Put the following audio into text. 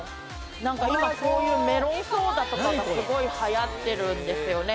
なんか今こういうメロンソーダとかがすごいはやってるんですよね